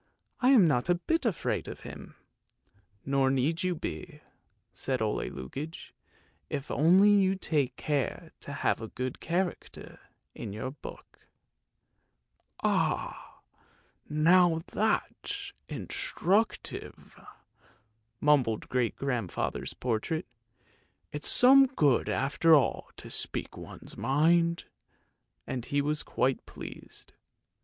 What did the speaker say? I am not a bit afraid of him! " "Nor need you be," said Ole Lukoie; "if only you take care to have a good character in your book." " Ah, now, that's instructive! " mumbled great grandfather's portrait. " It's some good after all to speak one's mind! " and he was quite pleased.